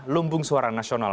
lumbung suara nasional